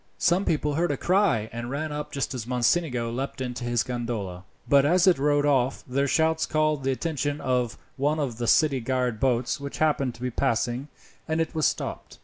Some people heard a cry and ran up just as Mocenigo leapt into his gondola, but as it rowed off their shouts called the attention of one of the city guard boats which happened to be passing, and it was stopped.